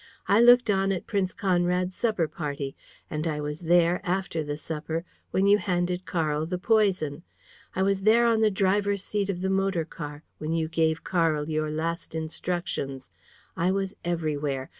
I looked on at Prince Conrad's supper party! And I was there, after the supper, when you handed Karl the poison. I was there, on the driver's seat of the motor car, when you gave Karl your last instructions. I was everywhere!